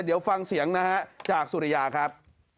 เดี๋ยวฟังเสียงนะฮะจากสุริยาครับ